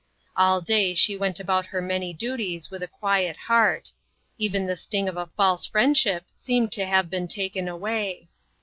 All day she went about her many duties with a quiet heart. Even the sting of a false friendship seemed to have been taken away.